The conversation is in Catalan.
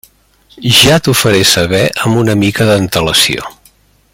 Ja t'ho faré saber amb una mica d'antelació.